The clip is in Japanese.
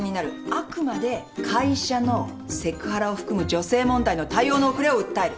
あくまで会社のセクハラを含む女性問題の対応の遅れを訴える。